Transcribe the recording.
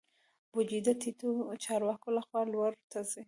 بودیجه د ټیټو چارواکو لخوا لوړو ته ځي.